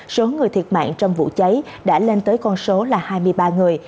số người thiệt mạng trong vụ cháy đã lên tới con số là hai mươi ba người